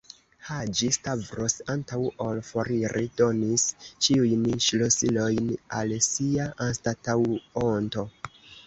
Haĝi-Stavros, antaŭ ol foriri, donis ĉiujn ŝlosilojn al sia anstataŭonto.